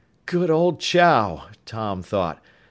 "Good old Chow!" Tom thought.